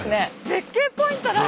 絶景ポイントだ！